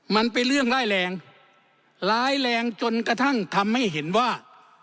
มันเป็นเรื่องร้ายแรงร้ายแรงจนกระทั่งทำให้เห็นว่า